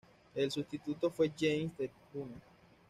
El sustituto fue James Te-Huna.